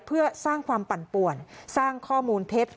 เพื่อสร้างความปั่นป่วนสร้างข้อมูลเท็จ